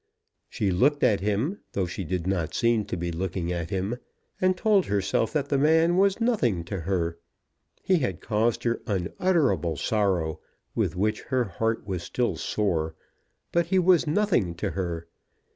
She looked at him, though she did not seem to be looking at him, and told herself that the man was nothing to her. He had caused her unutterable sorrow, with which her heart was still sore; but he was nothing to her.